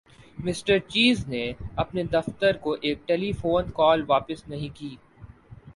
mister Cheese نے اپنے دفتر کو ایک ٹیلیفون کال واپس نہیں کی